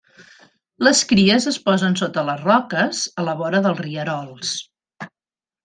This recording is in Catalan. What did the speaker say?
Les cries es posen sota les roques a la vora dels rierols.